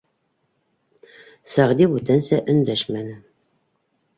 Сәғди бүтәнсә өндәшмәне.